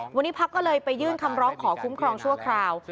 วันนี้พักก็เลยไปยื่นคำร้องขอคุ้มครองชั่วคราว